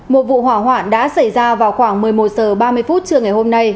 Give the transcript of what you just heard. một vụ hỏa hoạn đã xảy ra vào khoảng một mươi một h ba mươi phút trưa ngày hôm nay